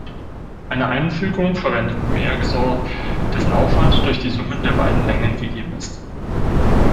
Eine Einfügung verwendet Mergesort, dessen Aufwand durch die Summe der beiden Längen gegeben ist.